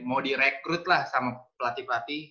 mau direkrut lah sama pelatih pelatih